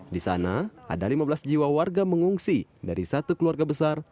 di sana ada lima belas jiwa warga mengungsi dari satu keluarga besar